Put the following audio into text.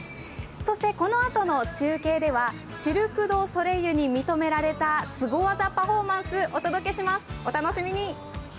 そして、このあとの中継ではシルク・ドゥ・ソレイユに認められたスゴ技パフォーマンスお届けします、お楽しみに。